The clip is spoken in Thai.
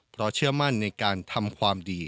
เพราะเชื่อมั่นในการทำความดี